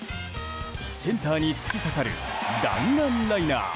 センターに突き刺さる弾丸ライナー。